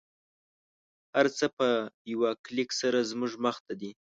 هر څه په یوه کلیک سره زموږ مخته دی